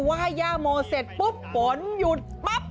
ว่ายย่าโมเสร็จปุ๊บฝนหยุดปั๊บ